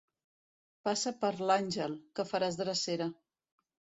Passa per l'Àngel, que faràs drecera.